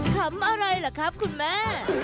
คำอะไรล่ะครับคุณแม่